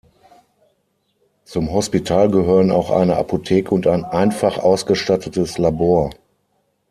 Zum Hospital gehören auch eine Apotheke und ein einfach ausgestattetes Labor.